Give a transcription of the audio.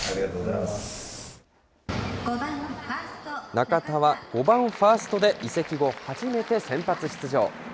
中田は５番ファーストで移籍後初めて先発出場。